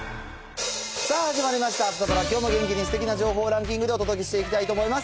さあ、始まりました、サタプラ、きょうも元気にすてきな情報をランキングでお届けしていきたいと思います。